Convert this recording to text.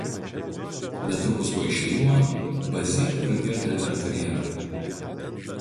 Netrukus po išėjimo Basile pradėjo trenerio karjerą.